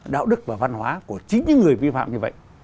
đạo đức và văn hóa của chính những người vi phạm như vậy